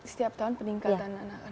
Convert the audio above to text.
setiap tahun peningkatan anak anak